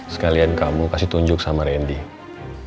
sekalian kamu kasih tunjuk sama randy